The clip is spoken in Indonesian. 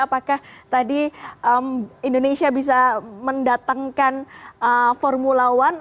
apakah tadi indonesia bisa mendatangkan formula one